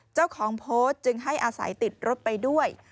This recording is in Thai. เจ้าของโพสต์จึงให้อาศัยติดรถไปด้วย